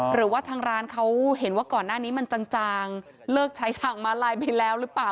หรือว่าทางร้านเขาเห็นว่าก่อนหน้านี้มันจางเลิกใช้ทางมาลายไปแล้วหรือเปล่า